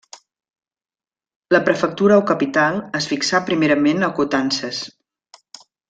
La prefectura o capital es fixà primerament a Coutances.